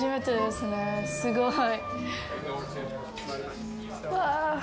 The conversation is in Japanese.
すごい。